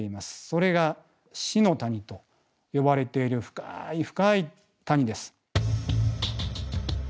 それが死の谷と呼ばれている深い深い谷です。